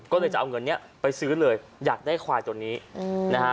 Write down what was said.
ก็เลยจะเอาเงินนี้ไปซื้อเลยอยากได้ควายตัวนี้นะฮะ